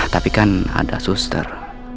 tapi kan ada suster